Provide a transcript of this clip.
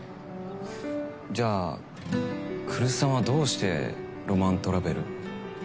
じゃあ来栖さんはどうしてロマントラベルを。